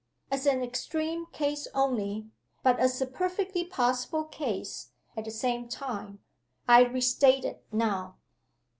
As an extreme case only but as a perfectly possible case, at the same time I restate it now."